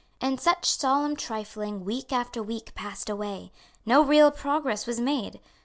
In such solemn trifling week after week passed away. No real progress was made.